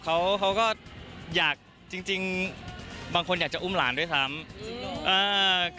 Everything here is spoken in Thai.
ไม่ห่วงหรอครับ